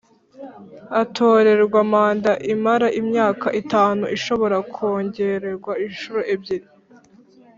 Atorerwa manda imara imyaka itanu ishobora kongererwa inshuro ebyiri